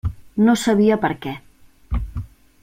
No sabia per què.